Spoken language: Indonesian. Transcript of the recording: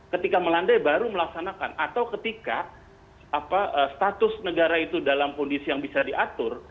ketika melandai baru melaksanakan atau ketika status negara itu dalam kondisi yang bisa diatur